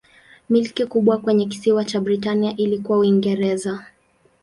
Milki kubwa kwenye kisiwa cha Britania ilikuwa Uingereza.